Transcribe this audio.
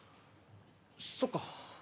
そっか。